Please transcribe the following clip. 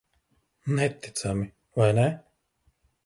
Neticami, vai ne?